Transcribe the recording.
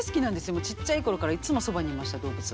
もうちっちゃい頃からいつもそばにいました動物は。